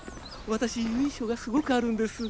私由緒がすごくあるんです。